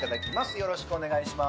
よろしくお願いします。